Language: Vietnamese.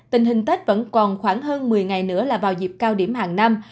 tình hình tết vẫn còn khoảng hơn một mươi ngày nữa là vào dịp cao điểm hàng năm